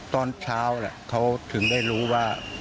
ตอนเช้าเขาถึงได้รู้ว่า